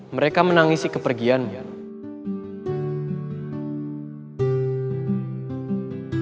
mereka menangisi kepergiannya